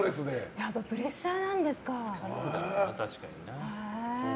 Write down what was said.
やっぱりプレッシャーなんですか。